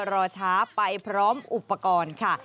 รอช้าไปพร้อมอุปกรณ์ค่ะ